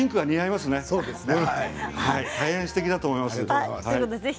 すてきだと思います。